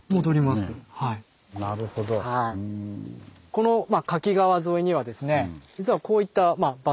この柿川沿いにはですね実はこういった場所